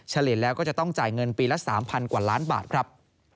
เฉลี่ยแล้วก็จะต้องจ่ายเงินปีละ๓๐๐กว่าล้านบาทครับ